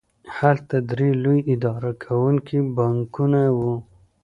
هلته درې لوی اداره کوونکي بانکونه وو